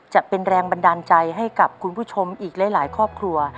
จะเป็นแรงบันดาลใจให้กับคุณผู้ชมอีกหลายครอบครัว